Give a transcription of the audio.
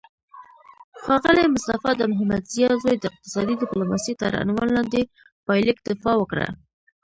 ښاغلی مصطفی د محمدضیا زوی د اقتصادي ډیپلوماسي تر عنوان لاندې پایلیک دفاع وکړه